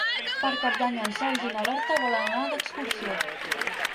Per Cap d'Any en Sergi i na Berta volen anar d'excursió.